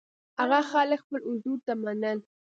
هغه خلک خپل حضور ته منل.